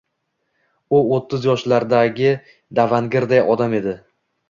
U o`ttiz yoshlardagi davangirday odam edi